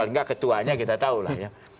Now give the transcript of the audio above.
dan mudah mudahan itu aja yang kita jelaskan ya